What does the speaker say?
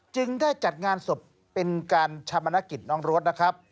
จึงได้จัดงานศพเป็นการชาปนกิจน้องโรธ